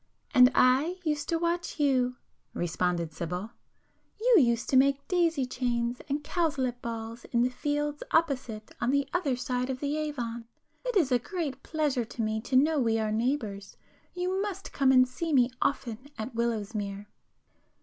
"And I used to watch you,"—responded Sibyl—"You used to make daisy chains and cowslip balls in the fields opposite on the other side of the Avon. It is a great pleasure to me to know we are neighbours. You must come and see me often at Willowsmere."